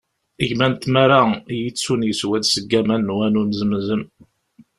Gma n tmara i iyi-ittun, yeswa-d seg waman n wanu n Zemzem.